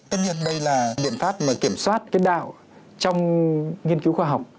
tất nhiên đây là biện pháp mà kiểm soát cái đạo trong nghiên cứu khoa học